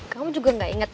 kamu juga gak inget